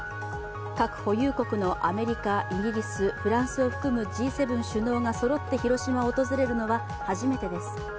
核保有国のアメリカ、イギリス、フランスを含めＧ７首脳がそろって広島を訪れるのは初めてです。